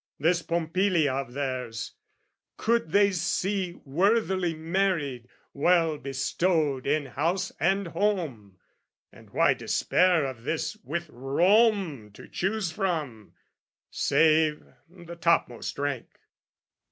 this Pompilia of theirs, Could they see worthily married, well bestowed In house and home! And why despair of this With Rome to choose from, save the topmost rank?